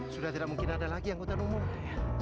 sudah tidak mungkin ada lagi yang kutanggung